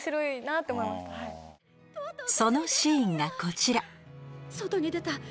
そのシーンがこちら外に出た。